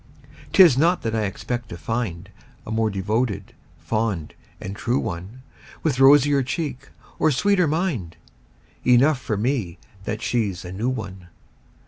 'Tis not that I expect to find A more devoted, fond and true one, With rosier cheek or sweeter mind Enough for me that she's a new one.